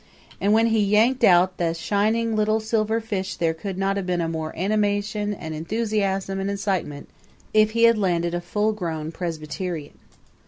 And when he yanked out the shining little silver fish there could not have been more animation and enthusiasm and excitement if he had landed a full grown Presbyterian.